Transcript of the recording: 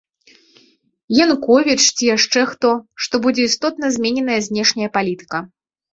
Януковіч, ці яшчэ хто, што будзе істотна змененая знешняя палітыка.